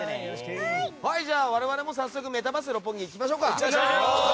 じゃあ我々も早速メタバース六本木に行きましょう。